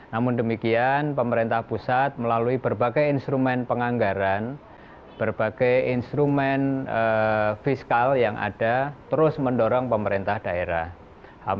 namun demikian pemerintah pusat melalui berbagai instrumen penganggaran berbagai instrumen fiskal yang ada terus mendorong pemerintah daerah